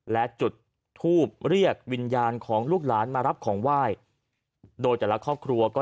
และจุดทูบเรียกวิญญาณของลูกหลานมารับของไหว้โดยแต่ละครอบครัวก็